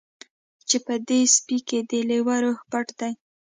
چې په دې سپي کې د لیوه روح پټ دی